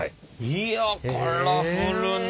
いやカラフルな！